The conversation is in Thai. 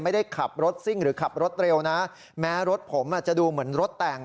ไม่ได้ขับรถซิ่งหรือขับรถเร็วนะแม้รถผมจะดูเหมือนรถแต่ง